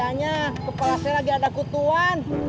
kayaknya kepala saya lagi ada keutuhan